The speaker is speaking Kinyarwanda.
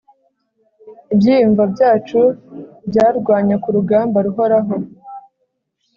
ibyiyumvo byacu byarwanye kurugamba ruhoraho